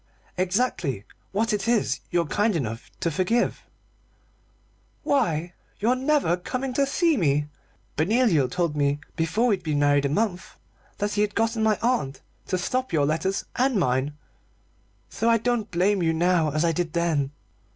"Exactly what it is you're kind enough to forgive." "Why your never coming to see me. Benoliel told me before we'd been married a month that he had got my aunt to stop your letters and mine, so I don't blame you now as I did then.